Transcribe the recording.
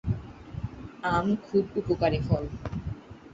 আম খুব উপকারী ফল।